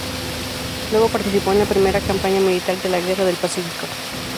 Luego participó en la primera campaña militar de la Guerra del Pacífico.